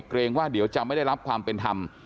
ว่าเดี๋ยวจะไม่ได้รับความเป็นธรรม